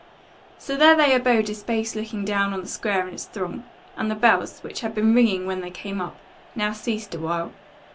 So there they abode a space looking down on the square and its throng, and the bells, which had been ringing when they came up, now ceased a while.